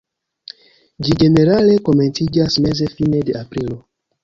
Ĝi ĝenerale komenciĝas meze-fine de aprilo.